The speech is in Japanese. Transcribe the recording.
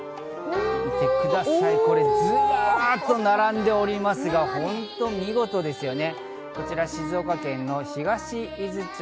見てください、ズラっと並んでおりますが、本当見事ですよね。